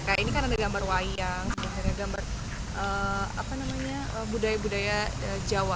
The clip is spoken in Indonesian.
kayak ini kan ada gambar wayang ada gambar budaya budaya jawa